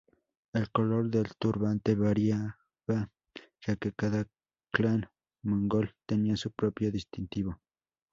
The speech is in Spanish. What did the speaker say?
El color del turbante variaba, ya que cada clan mongol tenía su propio distintivo.